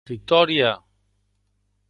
Victòria!